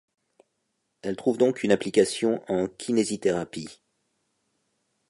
Elle trouve donc une application en Kinésithérapie.